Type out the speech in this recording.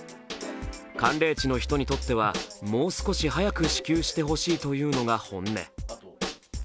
寒冷地の人にとってはもう少し早く支給して欲しいというのが本音。